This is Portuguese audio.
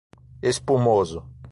Espumoso